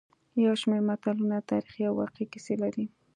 یو شمېر متلونه تاریخي او واقعي کیسې لري